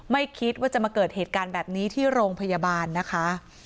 ไม่คิดว่าจะมาเกิดเหตุการณ์แบบนี้ที่โรงพยาบาลนะคะ